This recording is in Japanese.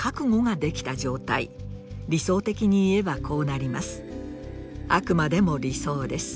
理想的に言えばこうなります。